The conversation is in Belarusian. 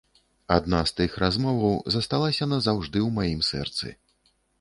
Адна з тых размоваў засталася назаўжды ў маім сэрцы.